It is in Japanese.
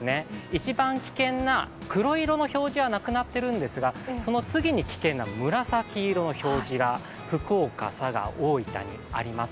一番危険な黒色の表示はなくなっているんですがその次に危険な紫色の表示が福岡、佐賀、大分にあります。